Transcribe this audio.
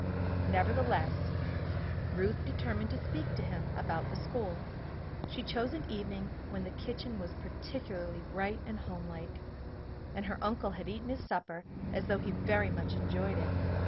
Nevertheless Ruth determined to speak to him about the school. She chose an evening when the kitchen was particularly bright and homelike and her uncle had eaten his supper as though he very much enjoyed it.